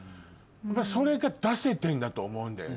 それが出せてんだと思うんだよね。